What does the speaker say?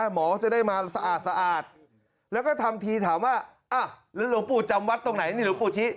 หมอจะได้มาสะอาดแล้วก็ทำทีถามว่าแล้วหลวงปู่จำวัดตรงไหนนี่หลวงปู่ทิ